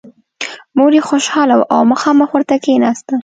مور یې خوشحاله وه او مخامخ ورته کېناسته